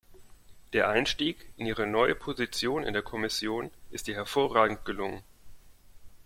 Der Einstieg in ihre neue Position in der Kommission ist ihr hervorragend gelungen.